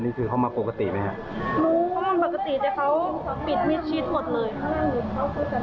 นี่คือเข้ามาปกติไหมฮะมันปกติแต่เขาปิดมีชีสหมดเลยค่ะ